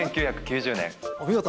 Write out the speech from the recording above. お見事。